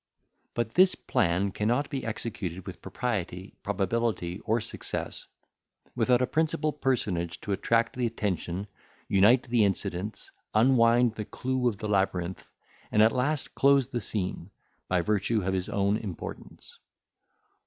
But this plan cannot be executed with propriety, probability, or success, without a principal personage to attract the attention, unite the incidents, unwind the clue of the labyrinth, and at last close the scene, by virtue of his own importance.